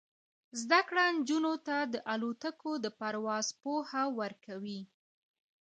زده کړه نجونو ته د الوتکو د پرواز پوهه ورکوي.